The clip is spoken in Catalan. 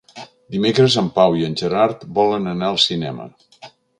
Dimecres en Pau i en Gerard volen anar al cinema.